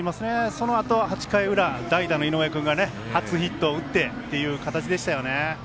そのあと、８回裏代打の井上君が初ヒットを打ってっていう形でしたよね。